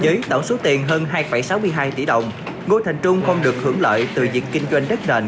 với tổng số tiền hơn hai sáu mươi hai tỷ đồng ngô thành trung còn được hưởng lợi từ việc kinh doanh đất nền